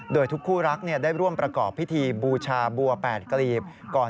โดยทุกคู่รักได้ร่วมประกอบพิธีบูชาบัว๘กลีบก่อน